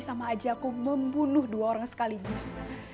sama aja aku membunuh dua orang sekaligus